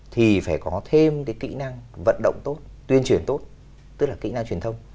thì phải có thêm cái kỹ năng vận động tốt tuyên truyền tốt tức là kỹ năng truyền thông